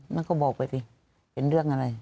มันก็บอกไปสิเป็นเรื่องอะไร